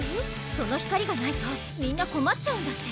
その光がないとみんなこまっちゃうんだって